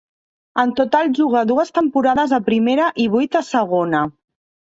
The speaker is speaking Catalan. En total jugà dues temporades a primera i vuit a segona.